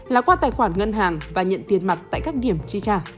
là qua tài khoản ngân hàng và nhận tiền mặt tại các điểm chi trả